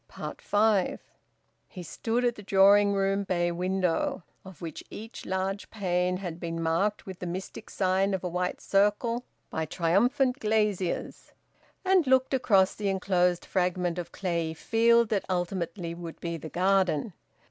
FIVE. He stood at the drawing room bay window (of which each large pane had been marked with the mystic sign of a white circle by triumphant glaziers), and looked across the enclosed fragment of clayey field that ultimately would be the garden.